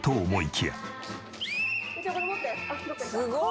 すごい！